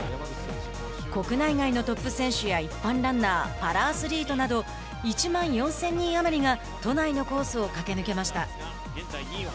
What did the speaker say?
国内外のトップ選手や一般ランナーパラアスリートなど１万４０００人余りが都内のコースを駆け抜けました。